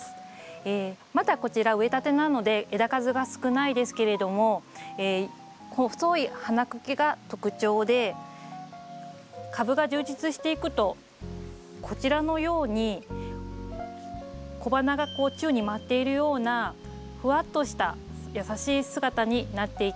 まだこちら植えたてなので枝数が少ないですけれどもこの細い花茎が特徴で株が充実していくとこちらのように小花がこう宙に舞っているようなふわっとした優しい姿になっていきます。